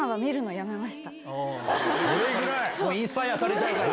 インスパイアされちゃうから。